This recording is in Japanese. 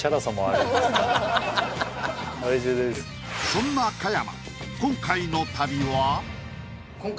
そんな鹿山